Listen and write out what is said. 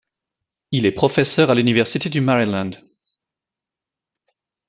Il est professeur à l'université du Maryland.